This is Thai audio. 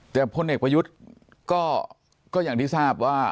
แต่พลเอกประยุทธ์ก็อย่างที่ทราบว่า